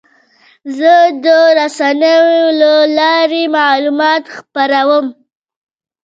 زه د رسنیو له لارې معلومات خپروم.